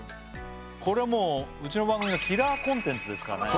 これはもううちの番組のキラーコンテンツですからね